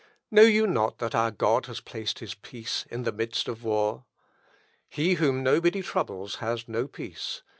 Know you not that our God has placed his peace in the midst of war? He whom nobody troubles has no peace.